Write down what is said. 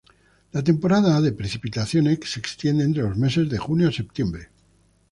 La temporada de precipitaciones se extiende entre los meses de junio a septiembre.